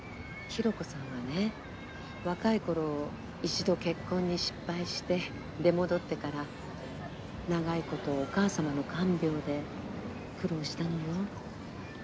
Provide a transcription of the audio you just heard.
ひろ子さんはね若いころ一度結婚に失敗して出戻ってから長いことお母さまの看病で苦労したのよ。